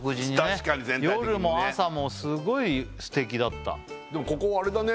確かに全体的にね夜も朝もすごい素敵だったでもここあれだね